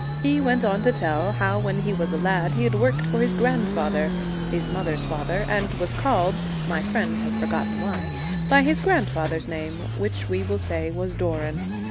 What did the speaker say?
He went on to tell how when he was a lad he had worked for his grandfather, his mother's father, and was called (my friend has forgotten why) by his grandfather's name, which we will say was Doran.